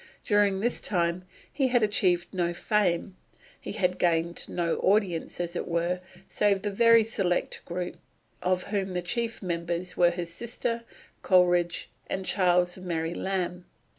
During this time he had achieved no fame; he had gained no audience, as it were, save the very select group of whom the chief members were his sister, Coleridge, and Charles and Mary Lamb.